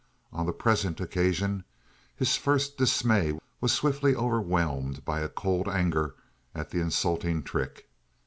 On the present occasion his first dismay was swiftly overwhelmed by a cold anger at the insulting trick.